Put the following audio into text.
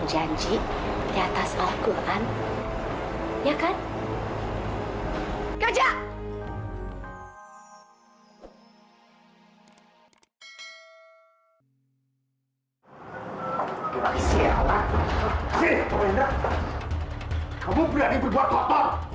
jangan ya sabar